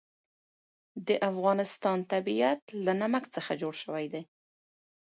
د افغانستان طبیعت له نمک څخه جوړ شوی دی.